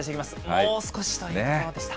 もう少しというところでした。